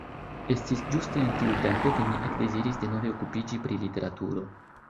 Estis ĝuste en tiu tempo, ke mi ekdeziris denove okupiĝi pri literaturo.